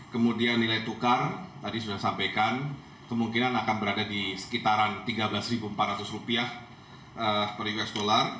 kemudian nilai tukar tadi sudah sampaikan kemungkinan akan berada di sekitaran rp tiga belas empat ratus per usd